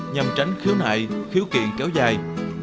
nhằm tránh khiếu nại khiếu kiện kéo dài